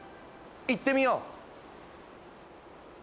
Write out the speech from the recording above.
行ってみよう！